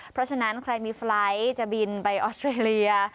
เพราะฉะนั้นใครมีไฟล์ทจะบินไปออสเตรเลีย